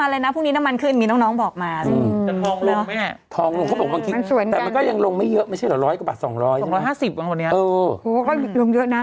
๒๕๐บาทประมาณแบบนี้โอ้โฮก็ลงเยอะนะ